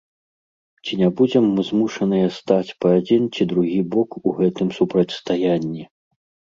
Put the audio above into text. Ці не будзем мы змушаныя стаць па адзін ці другі бок у гэтым супрацьстаянні?